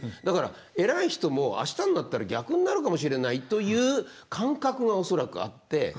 だから偉い人も明日になったら逆になるかもしれないという感覚が恐らくあって。